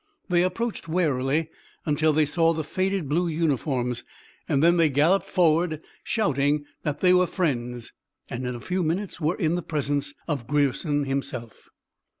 They approached warily, until they saw the faded blue uniforms. Then they galloped forward, shouting that they were friends, and in a few minutes were in the presence of Grierson himself.